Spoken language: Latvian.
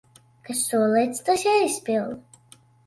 Kas solīts, tas jāizpilda.